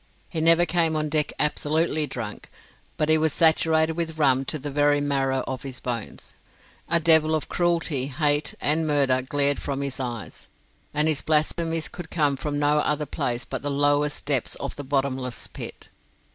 He never came on deck absolutely drunk, but he was saturated with rum to the very marrow of his bones. A devil of cruelty, hate, and murder glared from his eyes, and his blasphemies could come from no other place but the lowest depths of the bottomless pit.